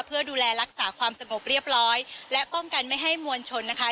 เพื่อดูแลรักษาความสงบเรียบร้อยและป้องกันไม่ให้มวลชนนะคะ